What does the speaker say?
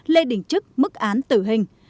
lê đình trức mức án tử hình